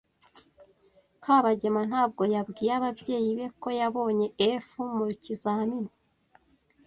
Kabagema ntabwo yabwiye ababyeyi be ko yabonye F mu kizamini.